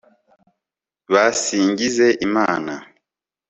basingize imana